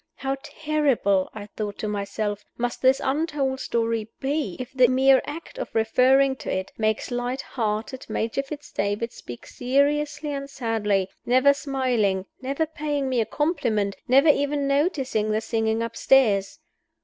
How terrible (I thought to myself) must this untold story be, if the mere act of referring to it makes light hearted Major Fitz David speak seriously and sadly, never smiling, never paying me a compliment, never even noticing the singing upstairs!